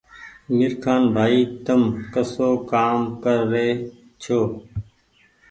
ميرخآن ڀآئي تم ڪسو ڪآم ڪر رهي ڇو